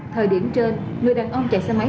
thời điểm trên người đàn ông chạy xe máy